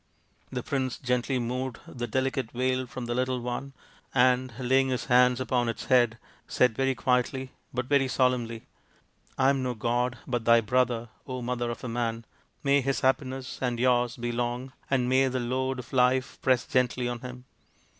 The prince gently moved the delicate veil from the little one, and, laying his hands upon its head, said very quietly but very solemnly, " I am no god, but thy brother, mother of a man. May his happiness and yours be long, and may the load of life press gently on him.